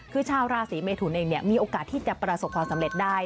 คือชาวราศีเมทุนเองมีโอกาสที่จะประสบความสำเร็จได้